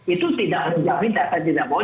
itu tidak menjamin data tidak bocor di amerika